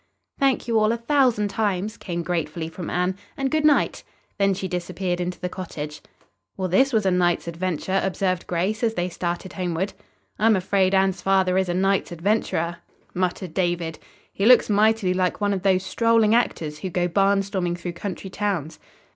"Thank you, all, a thousand times!" came gratefully from Anne; "and good night." Then she disappeared into the cottage. "Well, this was a night's adventure," observed Grace, as they started homeward. "I am afraid Anne's father is a night's adventurer," muttered David. "He looks mightily like one of those strolling actors who go barnstorming through country towns."